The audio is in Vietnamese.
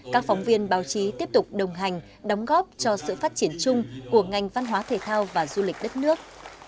các phóng viên báo chí tiếp tục đồng hành đóng góp cho sự phát triển chung của ngành văn hóa thể thao và du lịch đất nước